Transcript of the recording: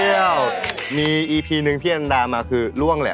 ก็หล่อที่สุดในรายการเลย